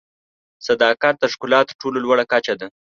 صداقت د ښکلا تر ټولو لوړه کچه ده.